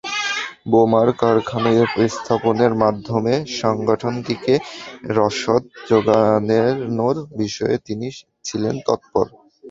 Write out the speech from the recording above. বোমার কারখানা স্থাপনের মাধ্যমে সংগঠনটিতে রসদ জোগানোর বিষয়ে তিনি ছিলেন তৎপর।